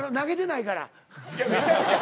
いやめちゃめちゃ。